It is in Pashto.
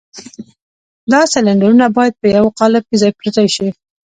دا سلنډرونه بايد په يوه قالب کې ځای پر ځای شي.